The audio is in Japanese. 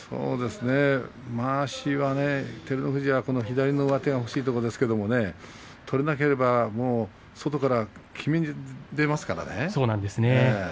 まわしは照ノ富士は左の上手が欲しいところですけれども取れなければ外からきめに出ますからね。